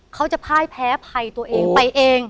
เขาจะพ่ายแพ้ไผ่ตัวเองไปเอง